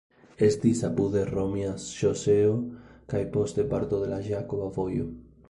Estis apude romia ŝoseo kaj poste parto de la Jakoba Vojo.